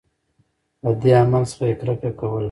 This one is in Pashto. له دې عمل څخه یې کرکه کوله.